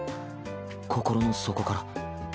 心の底から。